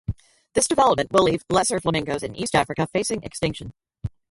This development will leave lesser flamingoes in East Africa facing extinction.